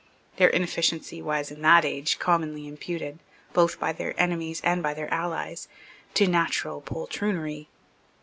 Their inefficiency was, in that age, commonly imputed, both by their enemies and by their allies, to natural poltroonery.